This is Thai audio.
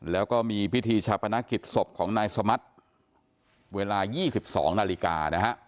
แล้วก็มีพิธีชะพนักศิษย์ศพของนายสมัสเวลา๒๒นาฬิกา